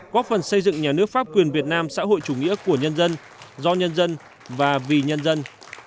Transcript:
góp phần xây dựng nhà nước pháp quyền việt nam xã hội chủ nghĩa của nhân dân do nhân dân và vì nhân dân